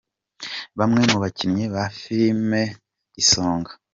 Bamwe mu bakinnyi ba filimu Isonga.